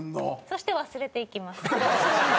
そして忘れて行きます。